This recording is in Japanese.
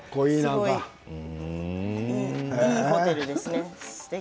いいホテルですね。